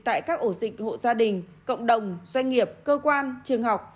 tại các ổ dịch hộ gia đình cộng đồng doanh nghiệp cơ quan trường học